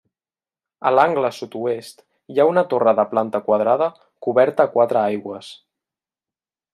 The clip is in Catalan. A l'angle sud-oest hi ha una torre de planta quadrada coberta a quatre aigües.